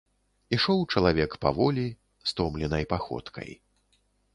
Ішоў чалавек паволі, стомленай паходкай.